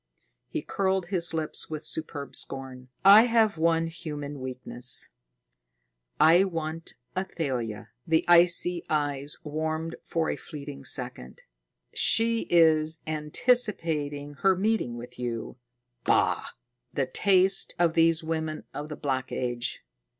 He curled his lips with superb scorn. "I have one human weakness. I want Athalia." The icy eyes warmed for a fleeting second. "She is anticipating her meeting with you bah! The taste of these women of the Black Age!